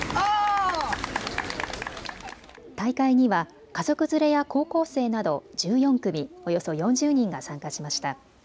大会には家族連れや高校生など１４組、およそ４０人が参加しました。